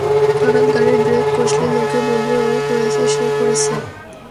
হঠাৎ গাড়ির ব্রেক কসলে, লোকে বলবে ও করেছে, সে করেছে।